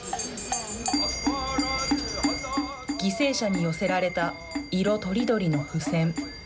犠牲者に寄せられた色とりどりの付箋。